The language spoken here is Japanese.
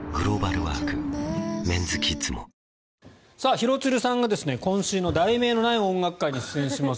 廣津留さんが今週の「題名のない音楽会」に出演します。